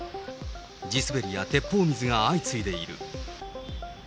地滑りや鉄砲水が相次いでいる。